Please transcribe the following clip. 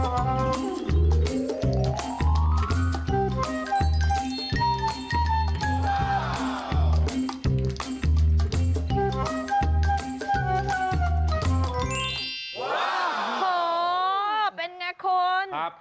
โหเป็นไงคุณ